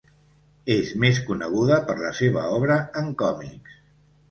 És més coneguda per la seva obra en còmics.